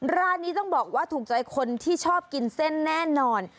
ร้านนี้ต้องบอกว่าถูกใจคนที่ชอบกินเส้นแน่นอน